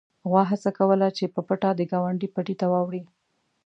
غوا هڅه کوله چې په پټه د ګاونډي پټي ته واوړي.